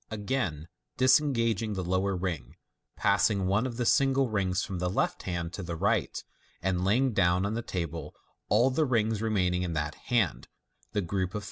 Again disengaging the lower ring, passing one of the single rings from the left hand to the right, and laying down on the table all the rings remaining in that hand (the group of three Fig.